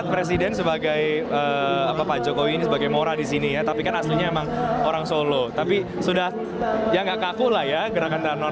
terhadap sebuah kemampuan yang berharga dan berharga yang berharga